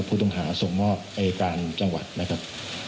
ผู้ต้องหาส่งมอบอายการจังหวัดนะครับ